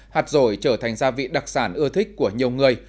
hạt rổi trở thành gia vị đặc sản ưa thích của nhiều người